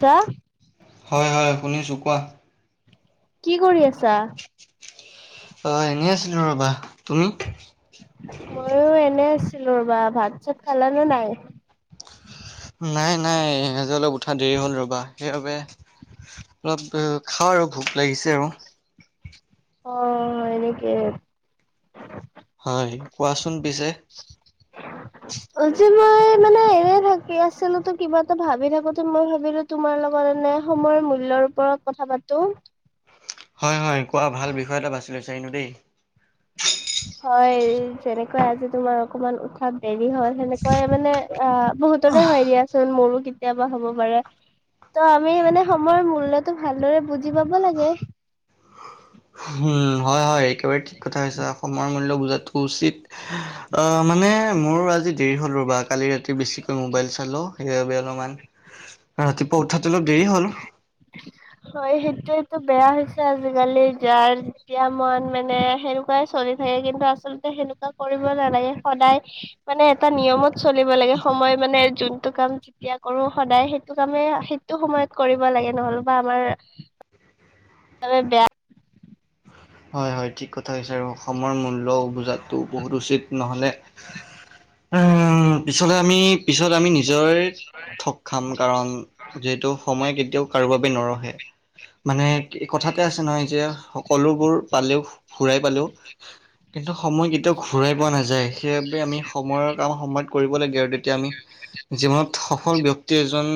তা হয়, হয় শুনিছোঁ কোৱা৷ কি কৰি আছা? অ', এনেই আছিলোঁ ৰ'বা, তুমি? ময়ো এনে আছিলোঁ ৰ'বা৷ ভাত-চাত খালানে নাই? নাই, নাই। আজি অলপ উঠা দেৰি হ'ল ৰ'বা, সেইবাবে অলপ খাওঁ আৰু ভোক লাগিছে আও৷ অ', এনেকে হয়, কোৱাচোন পিছে? [unintelligible] [unintelligible] আজি মই মানে এনে থাকি আছিলোঁ, তো কিবা এটা ভাবি থাকোঁতে মই ভাবিলোঁ তোমাৰ লগত এনে সময়ৰ মূল্যৰ ওপৰত কথা পাতোঁ৷ হয, হয়, কোৱা। ভাল বিষয় এটা বাচি লৈছা কিন্তু দেই৷ হয়, যেনেকৈ আজি তোমাৰ অকমান উঠাত দেৰি হ'ল সেনেকুৱাই মানে আ, বহুতৰে হয় দিয়াচোন, মোৰো কেত কেতিয়াবা হ'ব পাৰে, ত' আমি মানে সময়ৰ মূল্যটো ভালদৰে বুজি পাব লাগে৷ উম, হয়, হয়, একেবাৰে ঠিক কথা কৈছা৷ সময়ৰ মূল্য বুজাটো উচিত৷ অ', মানে মোৰ আজি দেৰি হ'ল ৰ'বা৷ কালি ৰাতি বেছিকৈ মোবাইল চালোঁ, সেইবাবে অলপমান ৰাতিপুৱা উঠাত অলপ দেৰি হ'ল৷ হয়, সেইটোৱেতো বেয়া হৈছে আজিকালি, যাৰ যেতিয়া মন মানে সে কুৱাই চলি থাকে, কিন্তু আচলতে সেনেকুৱা কৰিব নালাগে সদায় মানে এটা নিয়মত চলিব লাগে, সময় মানে যোনটো কাম যেতিয়া কৰোঁ সদায় সেইটো কামে সেইটো সময়ত কৰিব লাগে, নহ'লবা আমাৰ মানে বেয়া হয়, হয় ঠিক কথাই কৈছা আৰু সময়ৰ মূল্যও বুজাটো বহুত উচিত নহ'লে উম, পিছলে আমি, পিছত আমি, নিজৰ ঠক খাম, কাৰণ যিহেতু সময় কেতিয়াও কাৰোবাব নৰখে। মানে কি, কথাতে আছে নহয় যে সকলোবোৰ পালেও ঘুৰাই পালেও, কিন্তু সময় কেতিয়াও ঘূৰাই পোৱা নাযায়। সেইবাবে আমি সময়ৰ কাম সময়ত কৰিব লাগে আৰু তেতিয়া আমি জীৱনত সফল ব্যক্তি এজন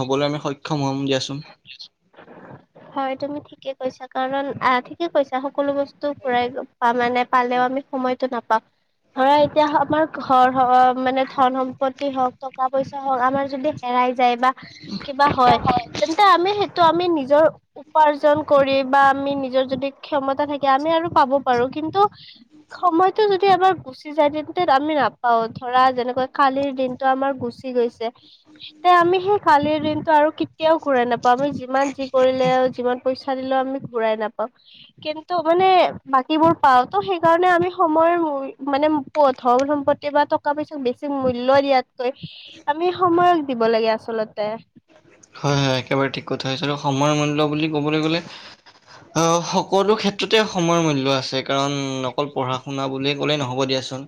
হ'বলৈ আমি সক্ষম হ'ম দিয়াচোন। হয়, তুমি ঠিকেই কৈছা কাৰণ আ ঠিকে কৈছা, সকলো বস্তু [unintelligible] ঘুৰাই পালেনে পালেও আমি সময়টো নাপাওঁ, ধৰা এতিয়া আমাৰ ঘৰ হক মানে ধন সম্পত্তি হওঁক, টকা পইচা হওঁক, আমাৰ যদি হেৰাই যায় বা কিবা হয়, তেন্তে আমি সেইটো আমি নিজৰ উপাৰ্জন কৰি বা আমি নিজৰ যদি ক্ষমতা থাকে আমি আৰু পাব পাৰো, কিন্তু সময়তো যদি এবাৰ গুচি যায় তেন্তে আমি নাপাওঁ, ধৰা যেনেকুৱা কালিৰ দিনটো আমাৰ গুচি গৈছে। তে আমি সেই কালিৰ দিনটো আৰু কেতিয়াও ঘূৰাই নাপাওঁ, আমি যিমান যি কৰিল [unintelligible] যিমান পইচা দিলেও আমি ঘূৰাই নাপাওঁ। কিন্তু মানে বাকীবোৰ পাওঁ, ত' সেইকাৰণে আমি সময় মূল মানে ধন সম্পত্তি বা টকা পইচাক বেছি মূল্য দিয়াতকৈ আমি সময়ক দিব লাগে আচলতে। হয়, হয়, একেবাৰে ঠিক কথা [unintelligible] আৰু সময়ৰ মূল্য বুলি ক'বলৈ গ'লে অ', সকলো ক্ষেত্ৰতে সময়ৰ মূল্য আছে। কাৰণ, অকল পঢ়া-শুনা বুলিয়ে ক'লেই নহ'ব দিয়াচোন।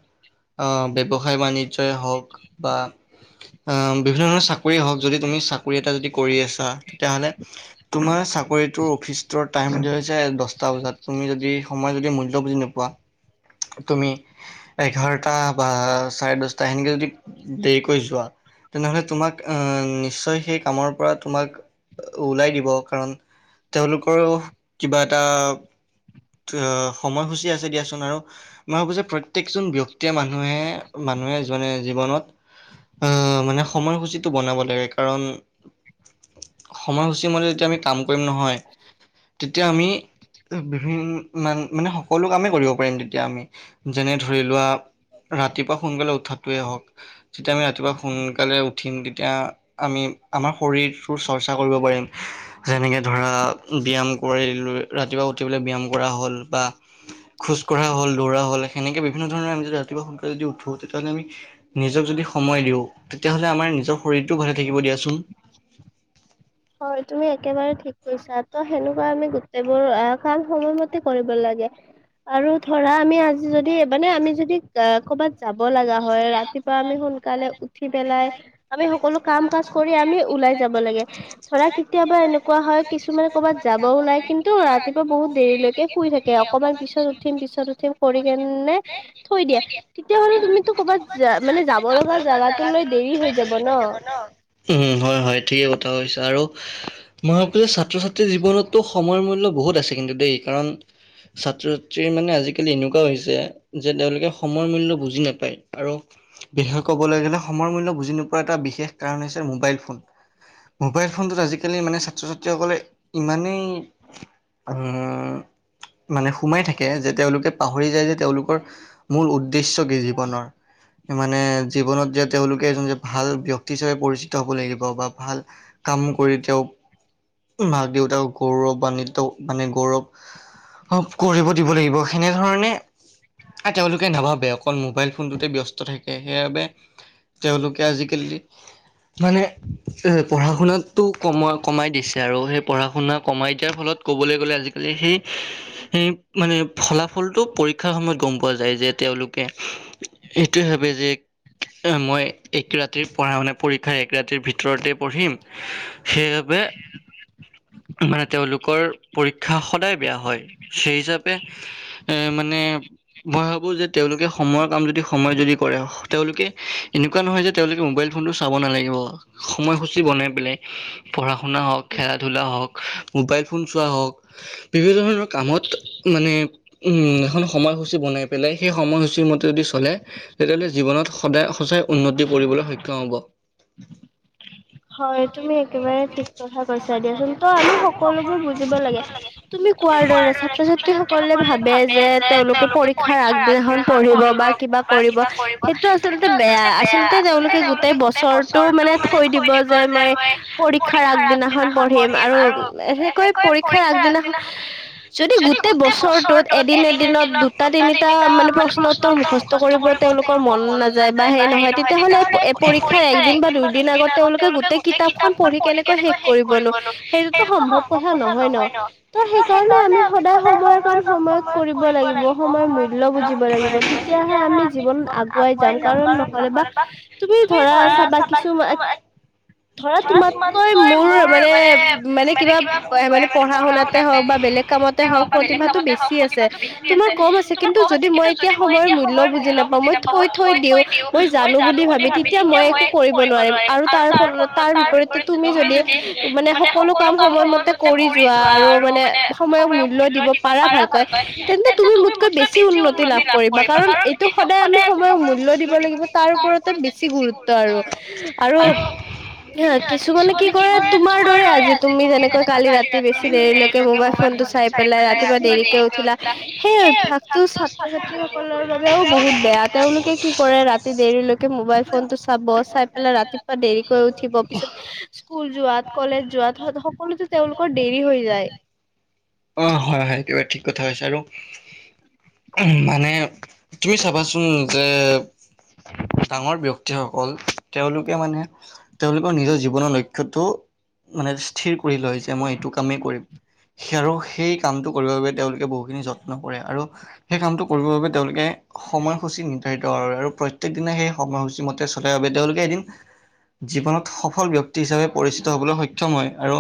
অ', ব্যৱসায় বাণিজ্যই হওক বা বিভিন্ন ধৰণৰ চাক চাকৰি হওঁক, যদি তুমি চাক [unintelligible] যদি কৰি আছা তেতিয়া হ'লে, তোমাৰ চাকৰিতোৰ অফিচতোৰ [unintelligible] দহটা বজাত, তুমি যদি সময়ৰ যদি মূল্য বুজি নোপোৱা তুমি এঘাৰটা বা চাৰে দশটা সেনেকে যদি দেৰিকৈ যোৱা তেনেহলে তোমাক আহ নিশ্চয় সেই কামৰ পৰা তোমাক ওলাই দিব, কাৰণ তেওলোকৰো কিবা এটা [unintelligible] সময়সূচী আছে দিয়াচোন, আৰু মই ভাবোঁ যে প্ৰত্যেকজন ব্যক্তিয়ে মানুহে, মানুহে মানে জীৱনত আহ মানে সময়সূচীটো বনাব লাগে, কাৰণ সময়সূচী মতে যেতিয়া আমি কাম কৰিম নহয়, তেতিয়া আমি বিভিন মানে সকলো কামেই কৰিব পাৰিম তেতিয়া আমি, যেনে ধৰি লোৱা ৰাতিপুৱা সোনকালে উঠাটোৱেই হওঁক। যেতিয়া আমি ৰাতিপুৱা সোনকালে উঠিম তেতিয়া আমি আমাৰ শৰীৰটোৰ চৰ্চা কৰিব পাৰিম। যেনেকে ধৰা ব্যায়াম কৰি, ৰাতিপুৱা উঠি পেলাই ব্যায়াম কৰা হ'ল বা খোজ কৰা হ'ল, দৌৰা হ'ল, সেনেকে বিভিন্ন ধৰণৰ আম যদি ৰাতিপুৱা যদি সোনকালে উঠো তেতিয়া হ'লে আমি নিজক যদি সময় দিওঁ, তেতিয়াহ'লে আমাৰ নিজৰ শৰীৰটোও ভালে থাকিব দিয়াচোন। হয়, তুমি একেবাৰে ঠিক কৈছা। ত' সেনেকুৱা আমি গোটেইবোৰ কাম সময়মতে কৰিব লাগে। আৰু ধৰা আমি আজি যদি, মানে আমি যদি কৰ'বাত যাব লগা হয়, ৰাতিপুৱা আমি সোনকালে উঠি পেলাই আমি সকলো কাম-কাজ কৰি আমি ওলাই যাব লাগে।। ধৰা‌ কেতিয়াবা এনেকুৱা হয়, কিছুমানে কৰবাত যাব ওলাই কিন্তু ৰাতিপুৱা বহুত দেৰিলৈকে শুই থাকে। অকমান পিছত উঠিম, পিছত উঠিম কৰি কেনে থৈ দিয়ে। তেতিয়াহলে তুমিতো ক'বাত মানে যাব লগা জাগাটোলৈ দেৰি হৈ যাব ন'। উম, হয়, হয়, ঠিকে কথা কৈছা। আৰু মই কওঁ যে ছাত্ৰ-ছাত্ৰী জীৱনতো সময়ৰ মূল্য বহুত আছে কিন্তু দেই, কাৰণ ছাত্ৰ-ছাত্ৰীৰ মানে আজিকালি এনেকুৱা হৈছে যে তেওলোকে সময়ৰ মুল্য বুজি নাপায়, আৰু বিশেষ কবলৈ গ'লে সময়ৰ মূল্য বুজি নোপোৱাৰ এটা বিশেষ কাৰণ হৈছে মোবাইল ফোন। মোবাইল ফোনটোত আজিকালি মানে ছাত্ৰ-ছাত্ৰীসকলে ইমানেই উম', মানে সোমাই থাকে, যে তেওঁলোকে পাহৰি যায় যে তেওঁলোকৰ মূল উদ্দেশ্য কি জীৱনৰ? মানে জীৱনত যে তেওঁলোকে এজন যে ভাল ব্যক কি হিচাপে পৰিচিত হ'ব লাগিব। বা ভাল কাম কৰি তেওঁক মাক দেউতাক গৌৰৱান্বিত মানে গৌৰৱ অ', কৰিব দিব লাগিব। সেনেধৰণে এ' তেওঁলোকে নাভাবে। অকল মোবাইল ফোনটোতে ব্যস্ত থাকে। সেইবাবে তেওঁলোকে আজিকালি মানে পঢ়া শুনাতটো কমাই কমাই দিছে আৰু, সেই পঢ়া শুনা কমাই দিয়াৰ ফলত ক'বলৈ গ'লে আজিকালি সেই সেই মানে। ফলাফলটো পৰীক্ষাৰ সময়ত গম পোৱা যায়। যে তেওঁলোকে এইটোৱে ভাবে যে এহ মই এক ৰাতিৰ পঢ়া মানে পৰীক্ষা এক ৰাতিৰ ভিতৰতে পঢ়িম, সেইবাবে মানে তেওঁলোকৰ পৰীক্ষা সদায় বেয়া হয়। সেই হিচাপে এ' মানে মই ভাবো যে তেওঁলোকে সময়ৰ কাম যদি সময় যদি কৰে। তেওঁলোকে এনেকুৱা নহয় যে তেওঁলোকে মোবাইল ফোনটো চাব নালাগিব। সময়সূচী বনায় পেলাই পঢ়া শুনা হওঁক, খেলা ধূলা হওঁক, মোবাইল ফোন চোৱা হওঁক। বিভিন্ন ধৰণৰ কামত মানে উম', এখন সময়সূচী বনায় পেলায়। সেই সময়সূচীৰ মতে যদি চলে তেতিয়াহলে জীৱনত সদায় সচাই উন্নতি কৰিবলৈ সক্ষম হ'ব। হয়' তুমি একেবাৰে ঠিক কথা কৈছা। দিয়াচোন ত' আমি সকলোবোৰ বুজিব লাগে। তুমি কোৱাৰ দৰে ছাত্ৰ-ছাত্ৰী সকলে ভাবে যে, তেওঁলোকে পৰীক্ষাৰ আগদিনাখন পঢ়িব। বা কিবা কৰিব। সেইটো আচলতে বেয়া, আচলতে তেওঁলোকে গোটেই বছৰটো মানে থৈ দিব। যে মই পৰীক্ষাৰ আগদিনাখন পঢ়িম। আৰু এনেকৈ পৰীক্ষাৰ আগদিনাখন যদি গোটেই বছৰটোত এদিন এদিনত দুটা তিনিটা মানে প্ৰশ্নোত্তৰ মুখস্থ কৰিব। তেওঁলোকৰ মন নাযায় বা সেই নহয়, তেতিয়াহ'লে পৰীক্ষাৰ একদিন বা দুইদিন আগত তেওঁলোকে গোট তে কিতাপখন পঢ়ি কেনেকৈ শেষ কৰিবনো। সেইটোতো সম্ভৱ কথা নহয় ন'। ত' সেইকাৰণে আমি সদায় সময়ৰ কাম সময়ত কৰিব লাগিব। সময়ৰ মূল্য বুজিব লাগিব। ঠিক তেতিয়াহে আমি জীৱনত আগুৱাই যাম। কাৰণ নহলে বা তুমি ধৰা চাবা কিছুমান ধৰা তোমাতকৈ মোৰ মানে মানে কিবা মানে পঢ়া শুনাতে হওক বা বেলেগ কামত তেহক প্ৰতিভাটো বেছি আছে। তোমাৰ কম আছে। কিন্তু যদি মই এতিয়া সময়ৰ মূল্য বুজি নাপাওঁ। মই থৈ থৈ দিওঁ, মই জানো বুলি ভাবি তেতিয়া মই একো কৰিব নোৱাৰিম। আৰু তাৰ তাৰ বিপৰীতে তুমি যদি মানে সকলো কাম সময়মতে কৰি যোৱা। আৰু মানে সময়ক মূল্য দিব পাৰা ভালকৈ, তেন্তে তুমি মোতকৈ বেছি উন্নতি লাভ কৰিবা। কাৰণ এত ত' সদায় আমি সময়ক মূল্য দিব লাগিব। তাৰ ওপৰতে বেছি গুৰুত্ব আৰু। আৰু হা। কিছুমানে কি কৰে, তোমাৰ দৰে আজি তুমি যেনেকৈ কালি ৰাতি বেছি দেৰিলৈকে মোবাইল ফোনটো চাই পেলাই ৰাতিপুৱা দেৰিকে উঠিলা। সেই অভ্যাস ছাত্ৰ ছাত্ৰী সকলৰ বাবেও বহুত বেয়া। তেওঁলোকে কি কৰে ৰাতি দেৰিলৈকে মোবাইল ফোনটো চাব। চাই পেলাই ৰাতিপুৱা দেৰি কৈ উঠিব। পিছত স্কুল যোৱাত, কলেজ যোৱাত, সকলোতে তেওঁলোকৰ দেৰি হৈ যায়। অ', হয়', হয়', একেবাৰে ঠিক কথা কৈছা। আৰু উম', মানে তুমি চাবাচোন যে ডাঙৰ ব্যক্তিসকল, তেওঁলোকে মানে তেওঁলোকৰ নিজৰ জীৱনৰ লক্ষ্যটো মানে ঠিৰ কৰি লয় যে মই এইটো কামেই কৰিম। সি আৰু সেই কামটো কৰিবৰ বাবে তেঁওলো তেঁও বহুখিনি যত্ন কৰে। আৰু সেই কামটো কৰিব বাবে তেওঁলোকে সময়সূচী নিৰ্ধাৰিত আৰ, আৰু প্ৰত্যকদিনাই সেই সময়সূচী মতে চলে বাবে তেওঁলোকে এদিন জীৱনত সফল ব্যক্তি হিচাপে পৰিচিত হবলৈ সক্ষম হয়। আৰু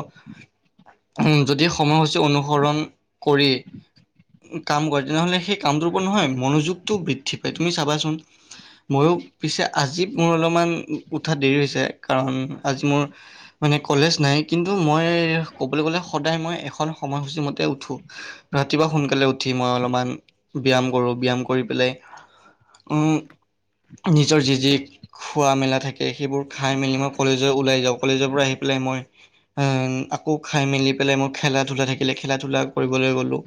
উম, যদি সময়সূচী অনুসৰণ কৰি কাম কৰে, তেনেহ'লে সেই কামটোৰ ওপৰত নহয় মনোযোগটো বৃদ্ধি পায়, তুমি চাবাচোন। ময়ো পিছে আজি মোৰ অলপমান উঠাত দেৰি হৈছে, কাৰণ আজি মোৰ মানে কলেজ নাই, কিন্তু মই ক'বলৈ গ'লে, সদায় মই এখন সময়সূচী মত তে উঠো। ৰাতিপুৱা সোনকালে উঠি মই অলপমান ব্যায়াম কৰোঁ, ব্যায়াম কৰি পেলাই উম, নিজৰ যি, যি খোৱা মেলা থাকে সেইবোৰ খাই মেলি মই কলেজ ওলাই যাওঁ। কলেজৰ পৰা আহি পেলায় মই উম, আকৌ খাই মেলি পেলাই মোৰ খেলা ধূলা থাকিলে, খেলা ধূলা কৰিবলৈ গলোঁ।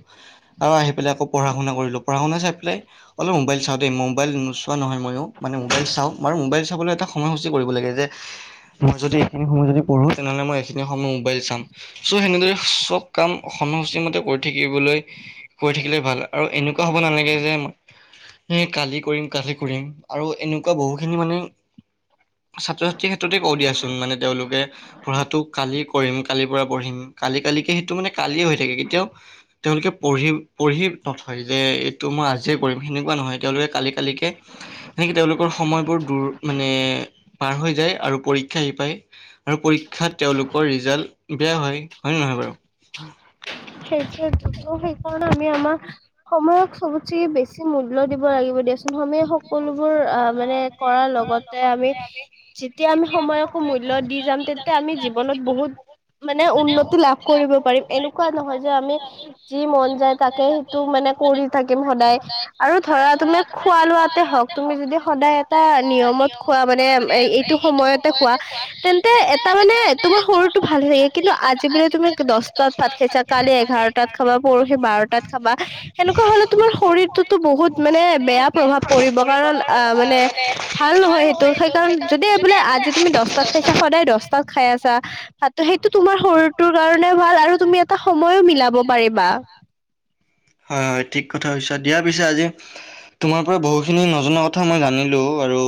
আৰু আহি পেলায় আকৌ পঢ়া শুনা কৰিলোঁ। পঢ়াশুনা চাই পেলায় অলপ মোবাইল চাওঁ দেই, মোবাইল নোচোৱা নহয় ময়ো। মানে মোবাইল চাওঁ বাৰু, মোবাইল চাবলৈ এটা সময়সূচী কৰিব লাগে যে মই যদি এইখিনি সময় যদি পঢ়ো, তেনেহ'লে মই এইখিনি সময় মোবাইল চাম। চ', সেনেদৰে চব কাম সময়সূচী মতে কৰি থাকিবলৈ কৰি থাকিলে ভাল। আৰু এনেকুৱা হ'ব নালাগে যে ম এ কালি কৰিম, কালি কৰিম, আৰু এনেকুৱা বহুখিনি মানে ছাত্ৰ ছাত্ৰীৰ ক্ষেত্ৰতে কওঁ দিয়াচোন। মানে তেওঁলোকে পঢ়াটো কালি কৰিম, কালিৰ পৰা পঢ়িম। কালি কালিকে সেইটো মানে কালিয়ে হৈ থাকে। কেতিয়াও তেওঁলোকে পঢ়িম, পঢ়ি নথয় যে, এইটো মই আজিয়ে কৰিম। সেনেকুৱা নহয় তেওঁলোকে কালি কালিকে সেনেকে তেওঁলোকৰ সময়বোৰ দূৰ মানে পাৰ হৈ যায় আৰু পৰীক্ষা আহি পায়। আৰু পৰীক্ষাত তেওঁলোকৰ ৰিজাল বেয়া হয়, হয়নে নহয় বাৰু? সেইটোৱেতো তো, সেইকাৰণে আমি আমাৰ সময়ক চবতচেকে বেছি মূল্য দিব লাগিব দিয়াচোন। সময়ে সক সকলোবোৰ আ, মানে কৰাৰ লগতে আমি, যেতিয়া আমি সময়কো মূল্য দি যাম, তেত তে আমি জীৱনত বহুত মানে উন্নতি লাভ কৰিব পাৰিম। এনেকুৱা নহয় যে আমি যি মন যায় তাকে সেইটো মানে কৰি থাকিম সদায়। আৰু ধৰা তুমি খোৱা লোৱাতে হওঁক, তুমি যদি সদায় এটা নিয়মত খোৱা মানে এইটো সময়তে খোৱা। তেন্তে এটা মানে তোমাৰ শৰীৰটো ভালে থাকে। কিন্তু আজি বোলে তুমি দশটাত ভাত খাইছা কালি এঘাৰটাত খাবা, পৰহি বাৰটাত খাবা সেনেকুৱা হলে তোমাৰ শৰীৰটোতো বহুত মানে বেয়া প্ৰভাৱ পৰিব। কাৰণ আ, মানে ভাল নহয় সেইটো। সেইকাৰণ যদি বোলে আজি তুমি দশটাত খাইছা, সদায় দশটাত খাই আছা ভাতটো সেইটো তোমাৰ শৰীৰটোৰ কাৰণেও ভাল, আৰু তুমি এটা সময়ো মিলাব পাৰিবা। [inaudible] হয়, হয় ঠিক কথা হৈছা। দিয়া পিছে আজি তোমাৰ পৰা বহুখিনি নজনা কথ থা মই জানিলোঁ, আৰু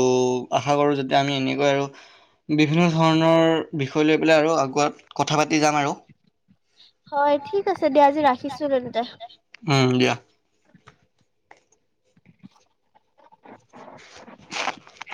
আশা কৰোঁ যাতে আমি এনেকৈ আৰু বিভিন্ন ধৰণৰ বিষয় লৈ পেলাই আৰু আগত কথা পাতি যাম আৰু। হয়, ঠিক আছে দিয়া আজি ৰাখিছোঁ তেন্তে। উম, দিয়া। [unintelligible]